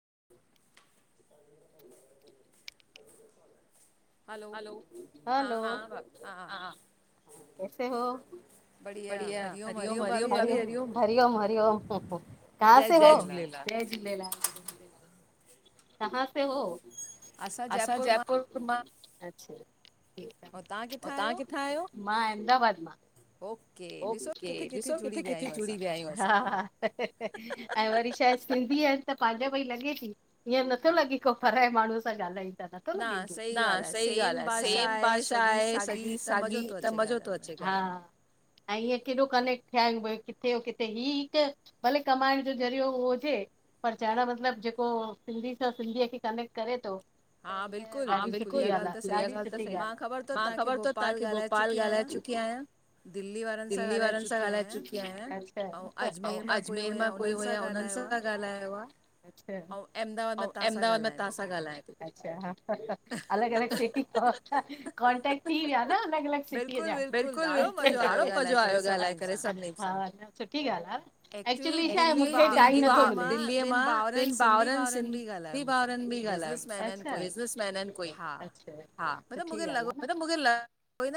[inaudible] हलो, हां भाभी हा कैसे हो, बढ़िया हरिओम -हरिओम भाभी हरिओम हरि ओम -हरिओम कहां से हो? जय झूलेलाल, कहां से हो? मां अच्छा ठीक आ। अंउं तहां किथां आहियो, मां अहमदाबाद मां। ओके, ॾिसो किथे- किथे जुड़ी विया आह्यूं असां ऐं वरी शाहे, सिंधी आहिनि त पाहिंजा पई लॻे ती। ईयें नत्थो लॻे को पराए माण्हूंअ सां ॻाल्हायूं ता नत्थो लॻे ईंयें। सही ॻाल्हि, आहे सेम भाषा आहे सॼी साॻी त मज़ो तो अचे। ऐं ईअं केॾो कनेक्ट थिया आहियूं भई कित्थे जो कित्थे ही हिकु भले कमाएंण जो ज़रियो उहो हुजे। परचाएंण मतिलबु जेको सिंधी सां सिंधीअ खे कनेक्ट करे तो। हा, बिल्कुलु- बिल्कुलु मां ख़बर तव तहांखे भोपाल ॻाल्हाए चुकी आहियां। दिल्ली वारनि सां ॻाल्हाए चुकी आहियां, अंउं अजमेर मां कोई हुया उन्हनि सां ॻाल्हायो आ अंउं अहमदाबाद मां तहां सां ॻाल्हायांती। अलॻि -अलॻि सिटी तव कॉन्टेक्ट थी विया न अलॻि -अलॻि सिटीअ जा बिल्कुलु- बिल्कुलु ॾाढो मज़ो आयो ॻाल्हाए करे सभिनिन सां। छा दिल्लीअ मां ॿिनि भाउरनि सिंधी भाउरनि बि ॻाल्हायो। अच्छा, अच्छा हा सुठी ॻाल्हि आ न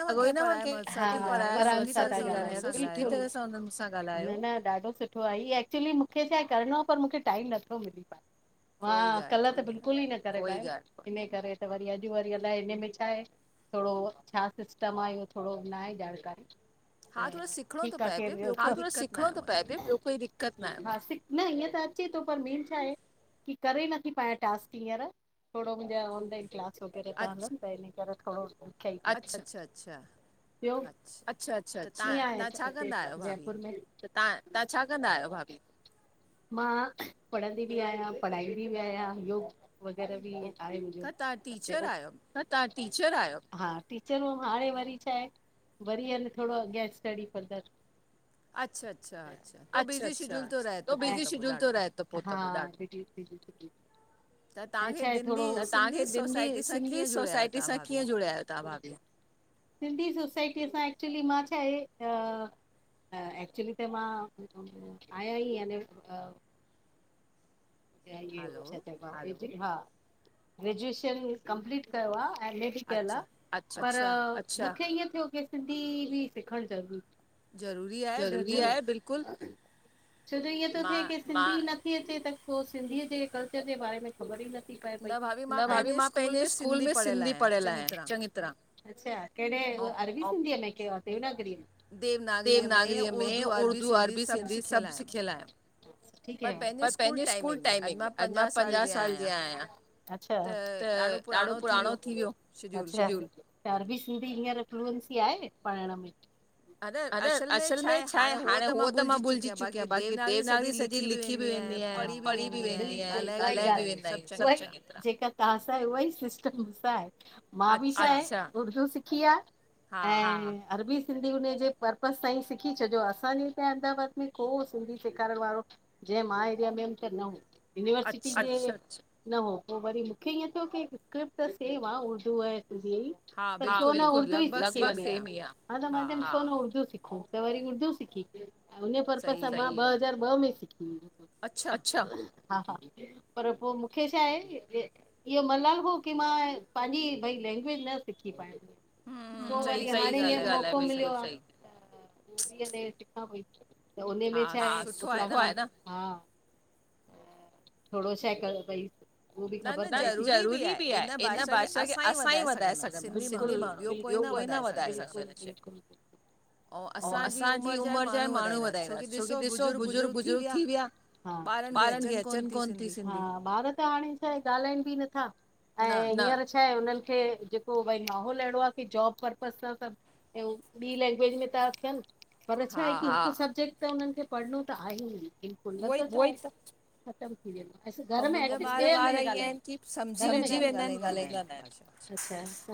लॻोई न मां कहिं कहिं परायन सां ती ॻाल्हांयां, एॾो सुठी तरह न न ॾाढो सुठो आ ही एक्चुली मूंखे छाहे करिणो आ पर मुखे टाइम नत्थो मिली हा कल्ह त बिल्कुल ई न करे पायम इन्हे करे त वरी अॼु वरी अलाए इन्हे में छा हे। थोड़ो छा सिस्टम आ इह्यो थोड़ो ना हे जानकारी। हा थोड़ो सिखिणो तो पए पियो ॿियो कोई दिक्क कत ना हे, हा सिख न ईअं त अचे तो पर मेन छा हे की करे नथी पायां टास्क हींअर थोड़ो मुंजा ऑनलाइन छोकिरे ता हलनि त इन्ही करे थोड़ो अच्छा -अच्छा- अच्छा ॿियो, कीयं आहेे हुते जयपुर में? त तहां, तहां छा कंदा आहियो भाभी? मां पढ़ंदी बि आहियां, पढ़ाईंदी बि आहियां, योग वग़ैरह बि आहे मुंजो। टीचर आहियो? त तहां टीचर आहियो? हा टीचर हाणे वरी छाहे वरी यानी थोड़ो अॻियां स्टडी फंदर अच्छा- अच्छा -अच्छा तो बिज़ी शिड्यूल थो रहे त पो त पो ॾाढो अंएं छाहे थोड़ो सिंधी -सिंधी सोसाइटी सां कीअं जुड़या यो तहां भाभी? सिंधी सोसाइटीअ सां एक्चुली मां छा हे अ न एक्चुली त मां आयां ई याने ऐं इयो छा चेहरो आ, हा ग्रेजुएशन कंप्लीट कयो आ। बी कयल आ अच्छा पर मुखे इअं थियो की सिंधी बि सिखण ज़रूरी ज़रूरी आहे बिल्कुल बिलकुल छो जो ईअं तो थे कि सिंधी नथी अचे त पो सिंधीअ जे कल्चर जे बारे में ख़बर ई नथ न भाभी मां पैंजे स्कूल में सिंधी पढ़ियल आयां चङी तरह। अच्छा, केड़े अरबी सिंधीअ में कि देवनागरी में? देवनागरीअ में उर्दू अरबी सिंधी सभ सिखियल आयां। ठीक आऊं, मां पैंजे सूद स्कूल टाइम में, अॼ मां पंजाह साल जी आयां अच्छा, त ॾाढो पुराणो थी वियो। अच्छा, त अरबी सिंधी हींअर फ्लूअएंसी आहे पढ़ण में? अन असल में छा आहे हाणे हूअं त मां भुलजी चुकी आयां बाक़ी देवनागरी स सिंधी लिखी बि वेंदी आयां पढ़ी बि वेंदी आयां ॻाल्हाए बि वेंदा आयूं सभ जेका तहां सां आहे उहा ई सिस्टम मुसां आहे। मां बि छा आहे, उर्दू सिखी आ। ऐं अरबी सिंधी उन जे पर्पज सां ईं सिखी छॾो असांजे हिते अहमदाबाद में को सिंधी सेखारण वारो जे मां एरिया में हुम यूनिवर्सिटी जे न हो पो वरी मुखे ईअं पियो थे कि स्क्रिप्ट त सेम हुवा उर्दू ऐं हां बिलकुल लगभग सेम ही आ, [unintelligible] ख़ूब त वरी उर्दू सिखी उन पर्पज सां ॿ हज़ार ॿ में सिखी हुई। अच्छा हा हा पर पो मूंखे छा आहे, इयो मलाल हो की मां ऐं पांजी भई लैंग्वेज न सिखी पायम। पो वरी हाणे इयो मौक़ो मिल्यो आ। मूवीज ते सिखा पई त उन‌में छाए, हा सुठो आहे न। थोड़ो शइ कयो पई। न ज़रूरी बि आहे इन भाषा खे असां ई वधाए सघंदास सिंधी ॿियो कोई न वधाए सघंदो ऐं असांजी उमर जा ई माण्हूं वधाईंदास छोकी ॾिसो बुज़ुर्ग बुज़ुर्ग थी विया। हा ॿारन खे अचन कोन ती सिंधी, हा ॿार त हाणे छाहे, ॻाल्हाइन बि नथा। ऐं हींअर छा आहे हुनन खे जेको भई माहौल अहिड़ो आ कि जॉब पर्पस सां ता कयूं ॿी लैंग्वेज में ता अचन। पर छाए कि हिक सब्जेक्ट त उनन खे पढ़णो त आहे ई न बिल्कुल न त उ ई [inaudible] मुजा बार ईअं आहिन कि समझी वेंदा आहिन गालाइन्दा ना हिन। अच्छा, अच्छा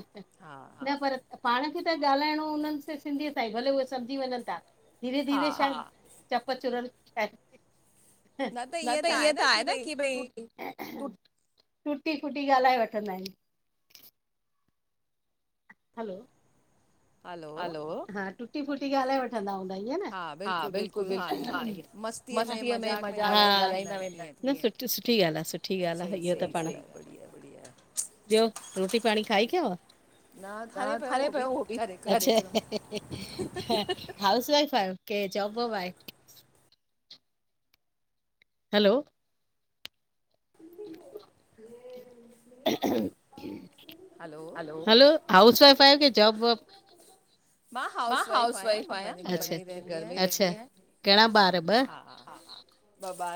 न पर पाण खे त ॻाल्हाइणो हुनि सां सिंधीअ सां ई भले उहे समझी वञन ता धीरे-धीरे छाए चप चूरन न त ईअं त आहे न की भई टूटी फुटी ॻाल्हाए वठंदा आहिन। हलो हलो, हा टुटी फुटी ॻाल्हाए वठंदा हूंदा ईअं न, हा बिल्कुल, बिल्कुल। मस्तीअ में मज़ाक में ॻाल्हाईंदा वेंदा आहिन। न सुठी ॻाल आ, सुठी ॻाल आहे इहो त पाण। बढ़िया, बढ़िया ॿियो, रोटी पाणी खाई खयव, न ठहे पियो हो बि हाउस वाइफ आयो, के जौब वौब आहे? हलो! [inaudible] हलो! हलो! हाउस वाइफ आयो के जॉब वॉब? मां, हाऊस वाइफ आयां, अछा अछा, घणा ॿार ॿ? हा हा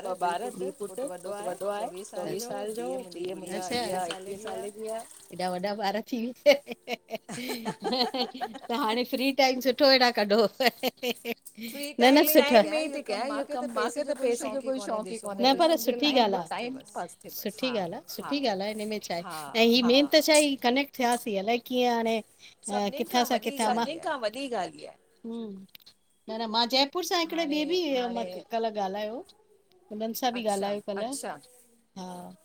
ॿ ॿार, धी पुट, पुटु वॾो आहे, चोवीह साल जो धीअ मुंजी नंढी आ, एकीह, अछा! कालेज में आ, हेॾा वॾा ॿार थी व्या, त हाणे फ्री टाइम सुठो वेठा कढ़ो। न न, साइड में ई ती क्यां इहो कम, मूखे त पैसे जो कोई शौंक़ ई कोन्हें, न पर सुठी ॻाल्ह आ, टाइम सुठी ॻाल्हि आ, हा, सुठी ॻाल्ह आ, हिन में छाहे, हा हा, ऐं ही मेन ही त छा कनेक्ट थियासीं, अलाए कीअं हाणे किथां सां किथां। वॾी ॻाल हीअ आहे, हूं न न, मां जयपुर सां हिकड़े ॿे बि, कल ॻाल्हायो हो। हुनन सां बि ॻाल्हायो कल्ह, अच्छा! हा,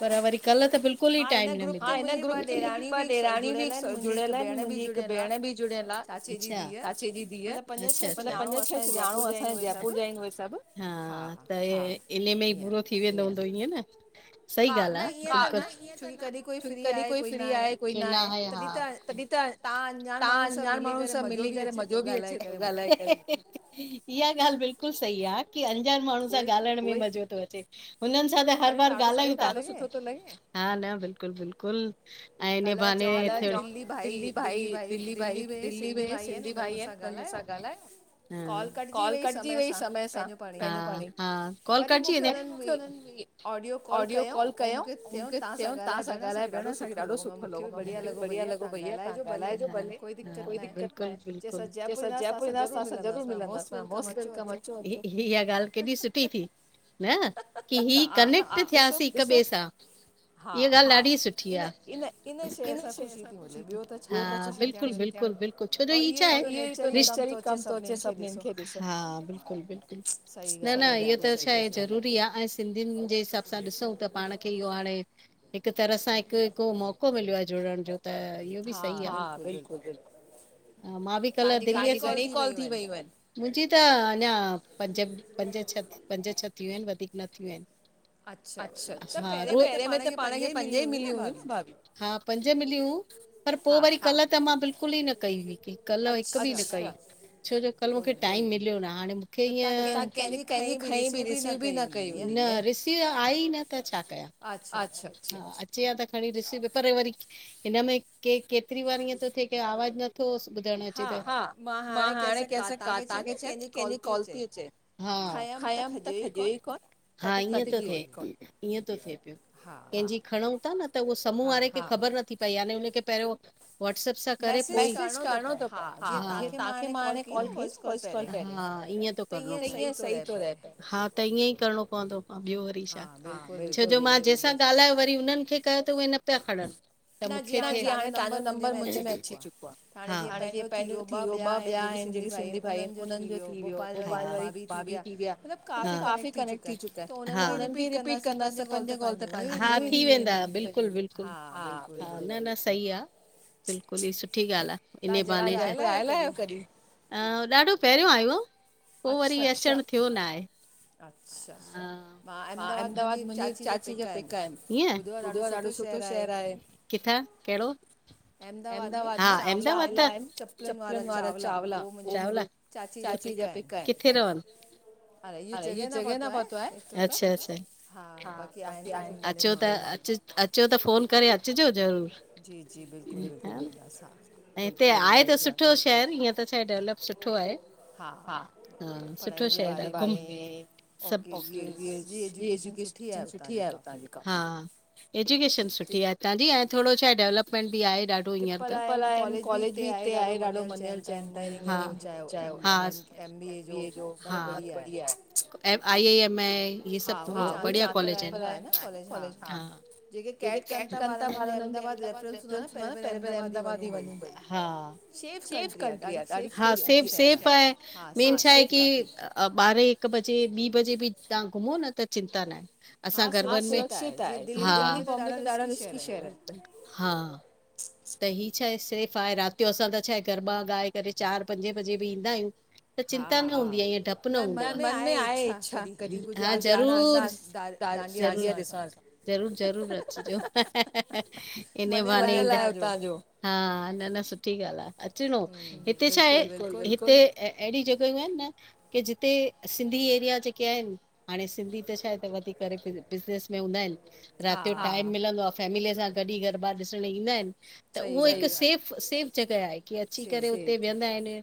पर वरी कल्ह त बिल्क कुल ई टाइम न मिल्यो, हां, हिन ग्रुप ते मुंजी ॿ ॾेराणी बि जुड़ियल एन, मुंजी हिक भेण बि जुड़यल आ। अच्छा, चाचे जी धीअ, मतलब पंज छह सुञाणू असां जयपुर जा आयूं उहे सभ। हा, त इने में ई पूरो थी वेंदो हूंदो, ईएं न? सही ॻाल्ह आ, न ईंएं त न, छोकी कॾी कोई फ्री आहे, कोई नांहें हा, तॾी त तहां अंजान माण्हूंअ सां मिली करे सभ मिली करे, मज़ो बि अचे तो ॻाल्हाए करे। इहा ॻाल्ह बिल्कुल सही आ, की अंजान माण्हूं सां ॻाल्हाइण में मज़ो तो अचे। हुनन सां त हर बार ॻाल्हायूं ता, ॾाढ़ो सुठो तो लॻे, हा न, बिल्कुल बिल्कुल ऐ इन्हींअ बाहानें, दिल्ली भाई दिल्ली भाई दिल्ली मेंसिंधी भाई एन, हुनन मूं सां ॻाल्हायो। न, कॉल कटजी वई समय सां, पैंजो पाणई, कॉल कटजी वेंदी आ, वरी मूंखे उनन ऑडियो कॉल कयऊं, मूंखे चयऊं, तहां सां ॻाल्हाइ भेण असां हलो! मूंखे बढ़िया लॻो, भइया तहां ॻाल्हाइजो भले। कोई दिक्क़त कोन्हें, बिलकुल चईं असां जयपुर ईंदस, तहांसां जरूर मिलंदास, मां मोस्ट वैल्कम अचो अचो, ईहा ॻाल्ह केॾी सुठी थी, न की ही कनेक्ट थियासीं हिक ॿे सां। हीअ ॻाल्ह ॾाढी सुठी आ, हा बिल् बिल्कुल बिल्कुल बिल्कुल, छो जो ही छाहे, इहोई रिश्तो ही तो कम तो अचे, सभनिन खे ॾिसो, हा, बिल्कुल बिल्कुल न न, इहो त छाहे ज़रूरी आ, अएं सिंधिन जे हिसाब सां ॾिसूं त, पाण खे इहो हाणे हिक तरह सां, हिक हिक मौको मिल्यो आ, जुड़ण जो, त इहो बि सही आ, हा, बिल्कु बिल्कुल, ह मां बि कल दिल्लीअ, तांजी घणी कॉल थी वई? मुंजी त अञा, पंज, पंज छ पंज छह थ्यूं एन, वधीक न थ्यूं एन। अच्छा अछा पहिरें में त पाण खे पंज ई मिलीयूं हुयूं न भाभी, हा पंज मिलयूं हूं, पर पो वरी कल् त मां बिल्कुल ई न कई हुई, कल्ह हिक बि न कई, छो जो कल्ह मूखे टाइम मिल् मिल्यो न, हाणे मूंखे हीअं, तां कैंजी कैंजी खई बि रिसीव बि न कई हुई, न रिसीव आई ई न त छा कयां। अच्छा अच्छा अच्छा अचे हां त, खणी रिसीव, पर वरी हिन में के केतरी वार ईएं तो थे, के आवाज़ न नथो ॿुधाइण अचे पयो, हा मां, हाणे कैंसां तहांखे चयो कैंजी कॉल ती अचे। हा खायमि त खॼेई कोन, हा थिए ईअं तो थिए पियो केंजी खणंऊ ता न, त उहो समूह वारे खे ख़बर नथी पए, याने उनेखे पहिरियों मैसेज करणो तो पए! जींअ तहांखे मां हाणे कॉल कई न वॉइस कॉल, पहिरियों त ईंयें सही तो रहे पयो। छो जो मां जंहिंसां ॻाल्हायो, वरी उन्हनि खे कयो, त उहे न पिया खणनि। न जियं हाणे तहांजो नम बर मुंजे में अची चुको आ, हाणे जींअ पहिंजो थी यो ॿ ॿिया हिनि जेके सिंधी भाई उन्हनि जो थी वियो, भोपाल वारी भाभी थी विया, मतलब काफ़ी कनेक्ट थी चुका हिन, त उन्हनि खे रिपीट कंदास त--पंज काल तक पांजी, इन्हमें ई थी वेदा हा, न -न सही आ। बिल्कुलु ई सुठी ॻाल्हि आ इन्हे बहाने, श अं ॾाढो पहिरियों आयो हो, पो वरी अचणु थियो ना हे। अच्छा हा अहमदाबाद मुंजी चाची जा पेका आहिनि, बुधियो आहे ॾाढो सुठो शहर आहे। किथां! कहिड़ो? अहमदाबाद हा, अहमदाबाद त चप्पलनि वारा, चावला, चावला चाची जा पेका हिनि,। हाड़े इह्यो जॻह न पतो आहे अचो त अच् अचो त फ़ोन करे अचिजो ज़रूरु ऐं, हिते आहे त सुठो शहर, ईअं त छा हे डेवलप सुठो आहे हा- अ सुठो शहर आहे सब ओके, ये ये एजुकेशन सुठी आहे उतां जी काफी हितां जी ऐं, थोड़ो छाहे डेवलपमेंट बि आहे ॾाढो हियंर त, कॉलेज बि हिते आहे ॾाढो मञंल चवनि ता। एमबीए जो बढ़िया आहे, एमआइ ए एम सब बढ़िया आहे। कॉेलेज इनि-कालेज हा! जेके कैट कनि ता ॿार, हुननि जो अहमदाबाद रेफरेंस हूंदो आ न। आ न पहिरे- पहिरें अहमदाबाद ई वञूं भई सेफ कंट्री आहे ॾाढी। हा सेफ- सेफ आहे मेन छा हे की ॿारहें -हिक -बजे, ॿीं बजे बी तहां घुमो न त चिंता ना हे। सां गरबनि मेंिक ब्बे ा [unintelligible] त ही छा हे, सेफ आहे, राति जो असां त छा हे गरबा ॻाए करे चारि- पंजे बजे बि ईंदा आहियूं। त चिंता न हुंदी आहे, ईअ डपु न हूंदो आ मन में आहे इच्छा हा ज़रूर जरूर- ज़रूर अचिजो बहाने ईंदा, हा, न -न सुठी ॻाल्हि आ। अचिणो, हिते छा हे, हिते अहिड़ी जॻहियूं आहिनि न कि जिते, सिंधी एरिया जेके आहिनि हाणे सिंधी त छा हे त वधी करे, बिज़नस में हूंदा हिनि। राति जो टाइम मिलंदो आ, फैमिलीअ सां गॾु ई गरबा ॾिसंण ईंदा इनि। त उहो हिकु सेफ -सेफ जॻह आहे, की अची करे उते विहंदा इनि।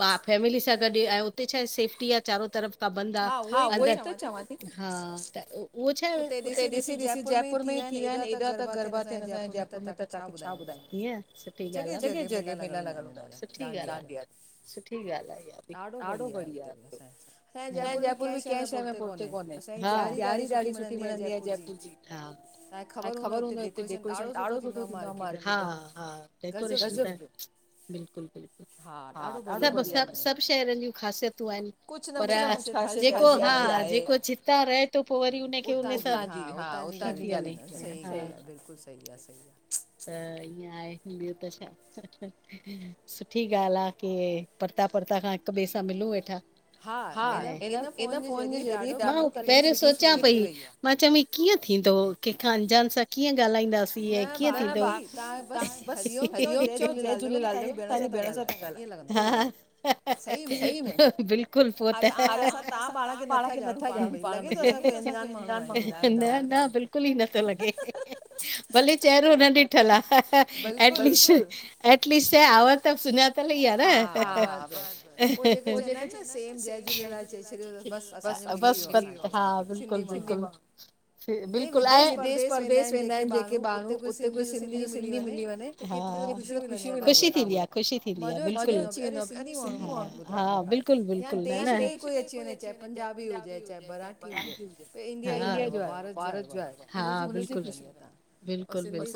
ॿा, फैमिली सां गॾु ई ऐं, उते छा हे सेफ्टी आ चारो तरफ़ खां बंदि आ। हा त उहो छा हे, उते ॾिसी- ॾिसी जयपुर में ई थी विया हिनि एॾा त गरबा थियन असांजे जयपुर मे जयपुर में त तहांखे छा ॿुधाया? सुठी ॻाल्हि आहे, जगह -जॻह मेला लॻल हूंदा आहिन, दांडिया जा। सुठी ॻाल्हि आ इह्या बि, ॾाढो बढ़िया आहे, असांजो जयपुर बि कंहिं शै में पुरिते कोन्हे। हा ॾयारी ॾाढी सुठी मनदी आ जयपुर जी, हा, तांखे ख़बर हूंदव हिते डेकोरेशन ॾाढो सुठो थींदो आ मार्केट, हा- हा -हा डकोरेशन त बिल्कुल-बिल्कुल हा, सभ-सभ शहरन जी ख़ासियत निकतूं आइन। जेको जितां रहे तो पो वरी उतां जी, हा उतां जी ॻाल्हियूं तियूं थियन सही ॻाल आ, बिल्कुल सही आ, सही आ। त ईअं आहे, ॿियो त छा? सुठी ॻाल आ कि परतां परतां खां हिक ॿे सां मिलूं वेठा। हा, हिन, हिन फोन जे ज़रिए त मां चयम इई कीअं थींदो? केंखां अंजान सां कीअं ॻाल्हाईंदासीं, ऐं कीअं थींदो? न भाभी तां बस इहो चओ जय झूलेलाल त तांजी भेण सां ती ॻाल्हायां। बिल्कुल, पो त असां तव्हां पाण खे नथा ॼाणूं पाण में। न न बिल्कुल बिलकुल ई नथो लॻे, भले चेहरो न ॾिठल आ एटलिस्ट आवाज़ त सुञात सुञातल इ आ न। बस बस, हा बिल्कुल-बिल्कुल। बिल्कुल आहे, देश परदेश वेंदा आहिन जेके माण्हू उते कोई सिंधी, सिंधी मिली वञे त केतरी त ख़ुशी मिलंदी आ, ख़ुशी थींदी आ, ख़ुशी थींदी आ बिल्कुल, हा बिल्कुल बिल्कुल, न न चेवे चाहे पंजाबी हुजे चाहे मराठी हुजे इंडिया जो आयो आ भारत जो आयो आ। हा, बिल्कुल बिल्कुल बिल्कुल